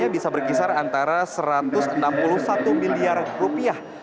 bisa berkisar antara satu ratus enam puluh satu miliar rupiah